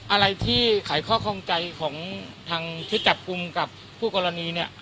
อะไรที่ขายข้อข้องใจของทางชุดจับกลุ่มกับผู้กรณีเนี่ย